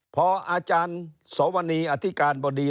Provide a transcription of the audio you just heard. พออาจารย์สวนีอธิการบดี